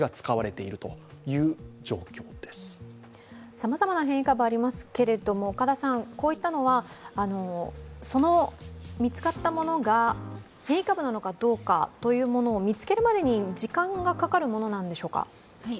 さまざまな変異株がありますけれども、こういったのは見つかったものが変異株なのかどうか見つけるまでに時間がかかるものなんでしょうか？